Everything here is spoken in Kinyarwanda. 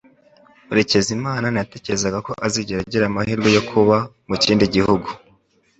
Murekezimana ntiyatekerezaga ko azigera agira amahirwe yo kuba mu kindi gihugu.